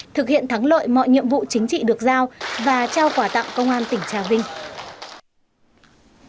thực hiện thắng lợi mọi nhiệm vụ chính trị được giao và trao quả tặng công an tỉnh trà vinh